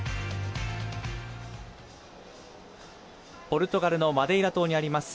ポルトガルのマデイラ島にあります